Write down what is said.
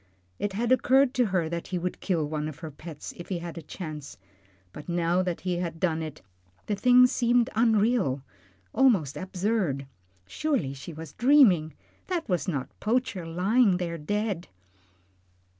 It had occurred to her that he would kill one of her pets if he had a chance, but now that he had done it, the thing seemed unreal, almost absurd. Surely she was dreaming that was not Poacher lying there dead.